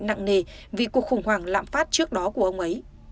nặng nề vì cuộc khủng hoảng lạm phát trước đó của ông ấy